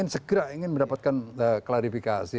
segera ingin mendapatkan klarifikasi